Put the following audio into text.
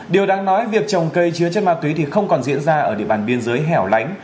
điều đáng nói việc trồng cây chứa chất ma túy thì không còn diễn ra ở địa bàn biên giới hẻo lánh